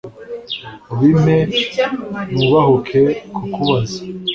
ubimpe nubahuke kukubaza